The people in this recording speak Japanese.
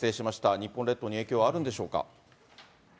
日本列島に影響はあるんでしょうか。